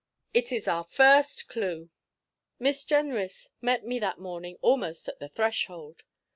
'IT IS OUR FIRST CLUE.' Miss Jenrys met me that morning almost at the threshold.